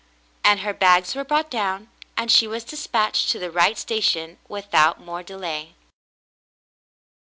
And her bags were brought down, and she was despatched to the right sta tion without more delay.